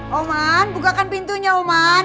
roman bukakan pintunya roman